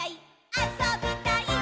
あそびたいっ！！」